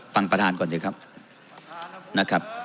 ฟังประดานก่อนสิครับ